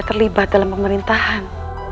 terlibat dalam pemerintahan